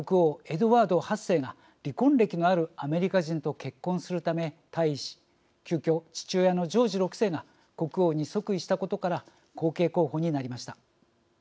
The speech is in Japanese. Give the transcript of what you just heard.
エドワード８世が離婚歴のあるアメリカ人と結婚するため、退位し急きょ父親のジョージ６世が国王に即位したことから後継候補になりました。